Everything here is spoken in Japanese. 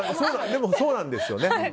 でもね、そうなんですよね。